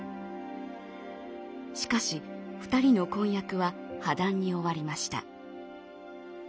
しかし２人の婚約は破談に終わりました。